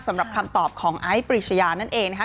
สำหรับคำตอบของไอซ์ปริชยานั่นเองนะครับ